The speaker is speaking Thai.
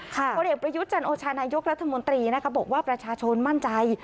บริเวธประยุทธ์จันทร์โชฮานายกรัฐมนตรีบอกว่าประชาชนมั่นใจ